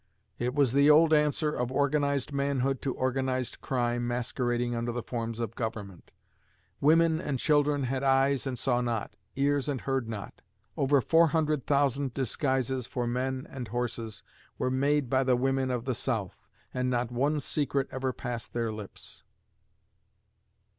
It was the old answer of organized manhood to organized crime masquerading under the forms of government.... Women and children had eyes and saw not, ears and heard not. Over four hundred thousand disguises for men and horses were made by the women of the South, and not one secret ever passed their lips!